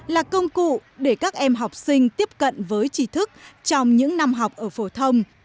là công cụ để các em học sinh tiếp cận với trí thức trong những năm học ở phổ thông